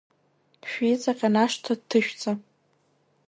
Шәиҵаҟьан ашҭа дҭышәца!